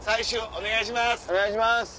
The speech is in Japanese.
お願いします。